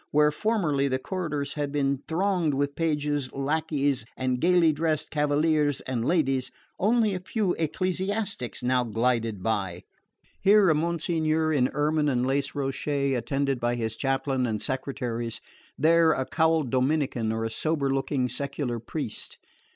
Where formerly the corridors had been thronged with pages, lacqueys and gaily dressed cavaliers and ladies, only a few ecclesiastics now glided by: here a Monsignore in ermine and lace rochet, attended by his chaplain and secretaries, there a cowled Dominican or a sober looking secular priest.